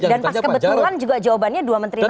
dan pas kebetulan juga jawabannya dua menteri nasdem